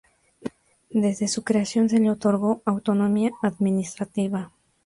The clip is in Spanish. Desde su creación se le otorgó autonomía administrativa.